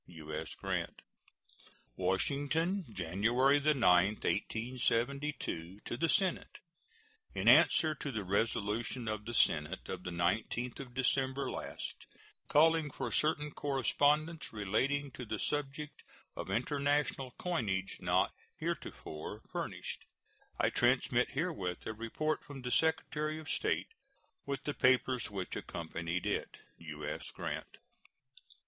U.S. GRANT. WASHINGTON, January 9, 1872. To the Senate: In answer to the resolution of the Senate of the 19th of December last, calling for certain correspondence relating to the subject of international coinage not heretofore furnished, I transmit herewith a report from the Secretary of State, with the papers which accompanied it. U.S. GRANT.